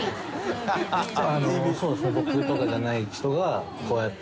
僕とかじゃない人がこうやって。